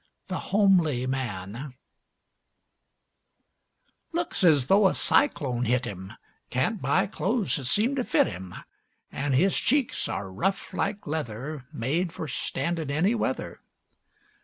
THE HOMELY MAN Looks as though a cyclone hit him Can't buy clothes that seem to fit him; An' his cheeks are rough like leather, Made for standin' any weather.